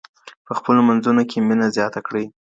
په خپلو منځونو کي مينه زياته کړئ.